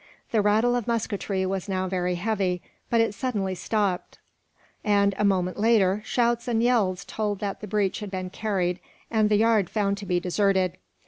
The rattle of musketry was now very heavy, but it suddenly stopped and, a moment later, shouts and yells told that the breach had been carried, and the yard found to be deserted.